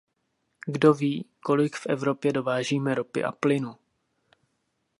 Kdo ví, kolik v Evropě dovážíme ropy a plynu?